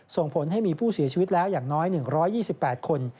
ส่งผลให้มีผู้เสียชีวิตแล้วอย่างน้อย๑๒๘คน